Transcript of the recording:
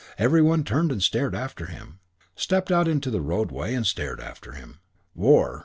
Every one turned and stared after him, stepped out into the roadway and stared after him. War....